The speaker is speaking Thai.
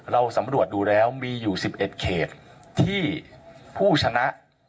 เราสำรวจดูแล้วมีอยู่๑๑เขตที่ผู้ชนะ